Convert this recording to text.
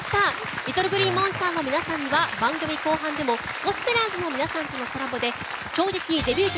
ＬｉｔｔｌｅＧｌｅｅＭｏｎｓｔｅｒの皆さんには番組後半でもゴスペラーズの皆さんとのコラボで衝撃デビュー曲